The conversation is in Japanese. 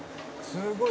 「すっごい！」